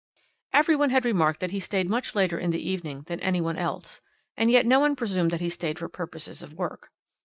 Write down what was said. "Every one had remarked that he stayed much later in the evening than any one else, and yet no one presumed that he stayed for purposes of work.